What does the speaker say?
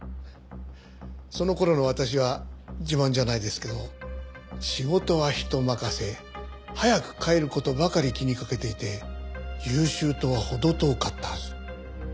その頃の私は自慢じゃないですけど仕事は人任せ早く帰る事ばかり気にかけていて優秀とは程遠かったはず。